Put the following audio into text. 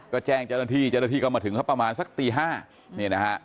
ก็แจ้งเจ้าหน้าที่เจ้าหน้าที่ก็มาถึงสักประมาณสักตี๕นี่นะฮะ